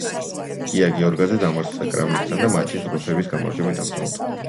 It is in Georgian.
გია გიორგაძე დამარცხდა კრამნიკთან და მატჩიც რუსების გამარჯვებით დამთვრდა.